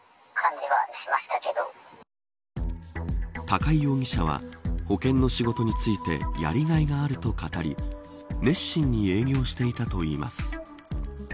高井容疑者は保険の仕事についてやりがいがあると語り熱心に営業していたといいます。